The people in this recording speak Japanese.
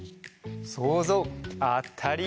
そうぞうあったり。